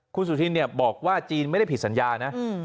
คุณสุธินบอกว่าจีนไม่ได้ผิดสัญญานะ